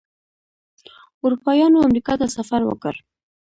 اروپایانو امریکا ته سفر وکړ.